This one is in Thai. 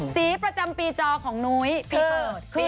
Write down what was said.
สีประจำปีจอของหนุ๊ยคือ